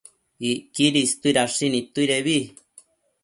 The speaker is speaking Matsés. Icquidi istuidashi nidtuidebi